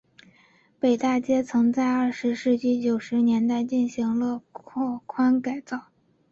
北大街曾在二十世纪九十年代进行了拓宽改造。